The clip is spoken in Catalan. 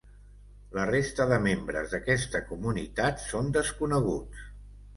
La resta de membres d'aquesta comunitat són desconeguts.